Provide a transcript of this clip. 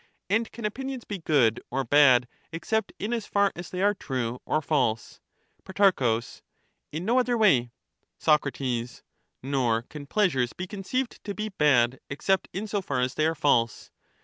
And can opinions be good or bad except in as far as they are true or false ? Pro. In no other way. Soc. Nor can pleasures be conceived to be bad except in 41 so far as they are false.